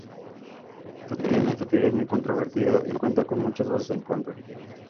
Si bien, esta teoría es muy controvertida y cuenta con muchas voces en contra.